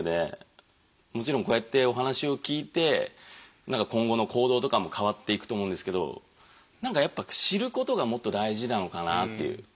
もちろんこうやってお話を聞いて今後の行動とかも変わっていくと思うんですけど何かやっぱ知ることがもっと大事なのかなっていう。